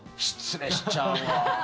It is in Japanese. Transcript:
失礼しちゃうわ。